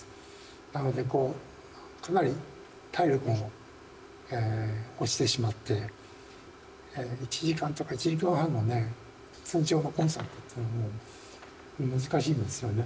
なのでかなり体力も落ちてしまって１時間とか１時間半のね通常のコンサートっていうのはもう難しいんですよね。